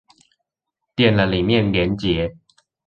點了裡面連結